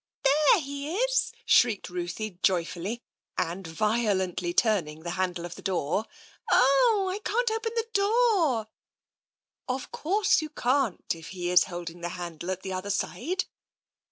" There he is !'* shrieked Ruthie joyfully, and vio lently turning the handle of the door. " Ow! I can't open the door !"" Of course you can't, if he is holding the handle at the other side.